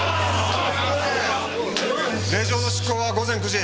令状の執行は午前９時。